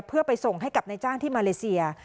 เพื่อไปส่งให้กับนายจ้างที่มาเลเซีย